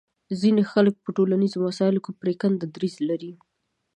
ځینې خلک په ټولنیزو مسایلو کې پرېکنده دریځ لري